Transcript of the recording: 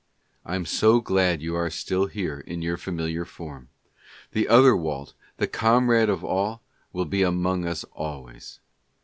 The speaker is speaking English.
I'm so glad you are still here in your familiar form; the other Walt, the "comrade of all," will be among us always.